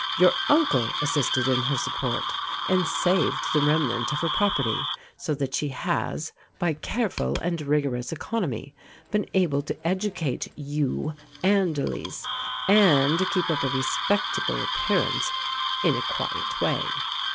Your uncle assisted in her support and saved the remnant of her property, so that she has, by careful and rigorous economy, been able to educate you and Elise, and keep up a respectable appearance in a quiet way.